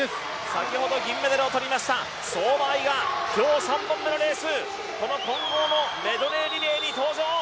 先ほど銀メダルをとりました相馬あいが今日３本目のレースこの混合のメドレーリレーに登場。